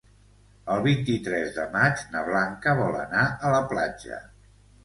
El vint-i-tres de maig na Blanca vol anar a la platja.